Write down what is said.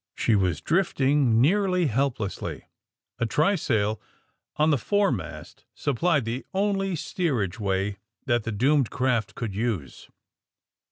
She was drifting nearly helplessly. A try sail on the foremast supplied the only steerage way that the doomed craft could use.